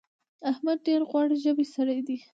احمد ډېر غوړ ژبی سړی دی.